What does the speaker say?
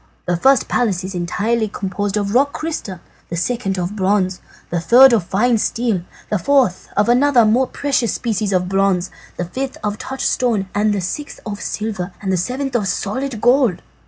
The first palace is entirely composed of rock crystal, the second of bronze, the third of fine steel, the fourth of another and more precious species of bronze, the fifth of touchstone, the sixth of silver, and the seventh of solid gold.